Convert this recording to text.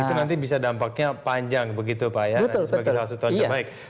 itu nanti bisa dampaknya panjang begitu pak ya sebagai salah satu tahun terbaik